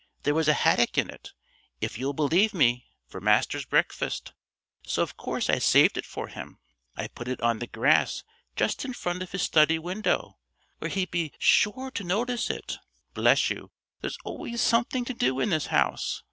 There was a haddock in it, if you'll believe me, for Master's breakfast, so of course I saved it for him. I put it on the grass just in front of his study window, where he'd be sure to notice it. Bless you, there's always something to do in this house.